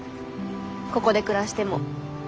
ここで暮らしても。